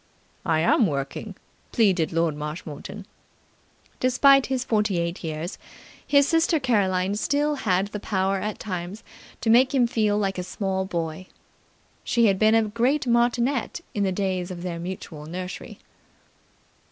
"I am working," pleaded Lord Marshmoreton. Despite his forty eight years his sister Caroline still had the power at times to make him feel like a small boy. She had been a great martinet in the days of their mutual nursery.